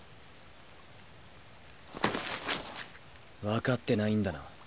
分かってないんだな。